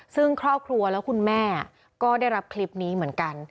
ซึ่งครอบครัวและคุณแม่ก็ได้รับคลิปนี้เหมือนกัน